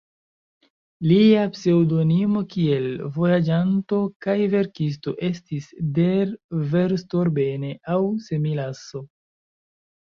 Lia pseŭdonimo kiel vojaĝanto kaj verkisto estis "Der Verstorbene" aŭ "Semilasso".